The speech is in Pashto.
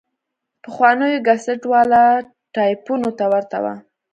پخوانيو کسټ والا ټايپونو ته ورته وه.